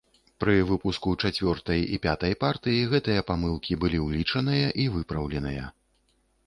Пры выпуску чацвёртай і пятай партыі гэтыя памылкі былі улічаныя і выпраўленыя.